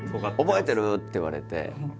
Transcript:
「覚えてる？」って言われて。